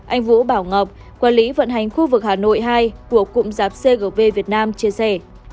anh vũ bảo ngọc quản lý vận hành khu vực hà nội hai của cụm rạp cgv việt nam chia sẻ